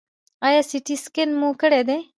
ایا سټي سکن مو کړی دی؟